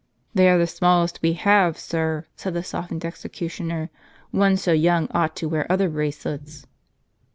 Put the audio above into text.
* "They are the smallest we have, sir," said the softened executioner: "one so young ought to wear other bracelets."